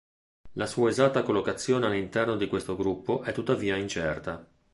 La sua esatta collocazione all'interno di questo gruppo è tuttavia incerta.